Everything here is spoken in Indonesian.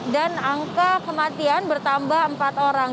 dan angka kematian bertambah empat orang